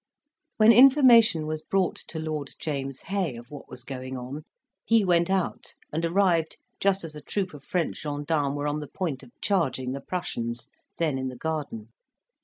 When information was brought to Lord James Hay of what was going on, he went out, and arrived just as a troop of French gensdarmes were on the point of charging the Prussians, then in the garden.